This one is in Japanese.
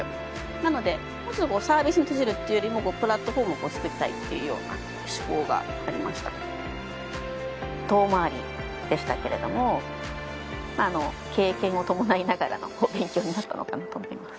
なのでもうちょっとサービスを閉じるというよりもプラットフォームを作りたいっていうような志向がありました遠回りでしたけれども経験を伴いながらの勉強になったのかなと思います